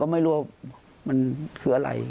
ไม่รู้ว่ามันคืออะไร